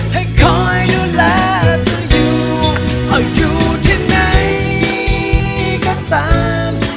ให้คอยดูแลเธออยู่เอาอยู่ที่ไหนก็ตาม